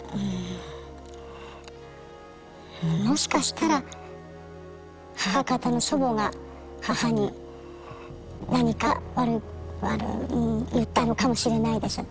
もしかしたら母方の祖母が母に何か言ったのかもしれないです。